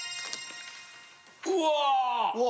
うわ！